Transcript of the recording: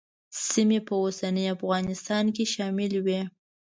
سیمې په اوسني افغانستان کې شاملې وې.